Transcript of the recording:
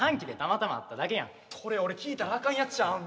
これ俺聞いたらあかんやつちゃうん。